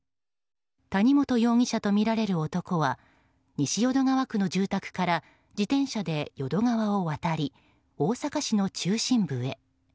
谷本容疑者とみられる男は西淀川区の住宅から自転車で淀川を渡り大阪市の中心部へ。